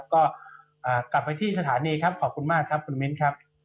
ก็กลับไปที่สถานีครับขอบคุณมากครับคุณมิ้นครับ